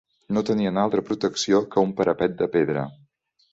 No teníem altra protecció que un parapet de pedra